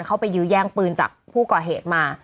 เข้าไปยื้อแย่งปืนจากผู้ก่อเหตุมา